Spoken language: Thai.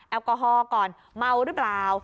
แอลกอฮอล์ก่อนเมาหรือเปล่า